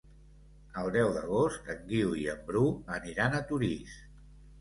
El deu d'agost en Guiu i en Bru aniran a Torís.